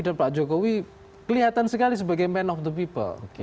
dan pak jokowi kelihatan sekali sebagai man of the people